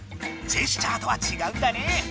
ジェスチャーとはちがうんだね！